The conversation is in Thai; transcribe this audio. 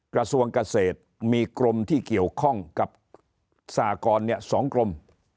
กระทรวงเกษตรมีกรมที่เกี่ยวข้องกับสหกร๒กรม